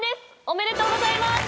おめでとうございます！